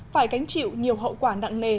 phải cánh chịu nhiều hậu quả nặng nề